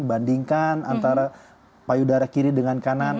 bandingkan antara payudara kiri dengan kanan